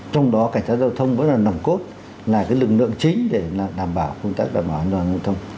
trong đó cảnh sát giao thông vẫn là nồng cốt là lực lượng chính để đảm bảo công tác đảm bảo an toàn hồ thông